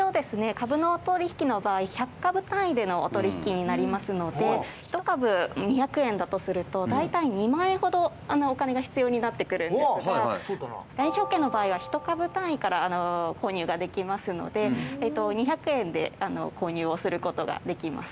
株のお取引の場合１００株単位でのお取引になりますので１株２００円だとするとだいたい２万円ほどお金が必要になってくるんですがＬＩＮＥ証券の場合は１株単位から購入ができますので２００円で購入をすることができます。